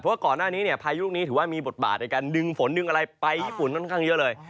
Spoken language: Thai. เพราะว่าก่อนหน้านี้เนี่ยพายุลูกนี้ถือว่ามีบทบาทในการดึงฝนดึงอะไรไปญี่ปุ่นค่อนข้างเยอะเลย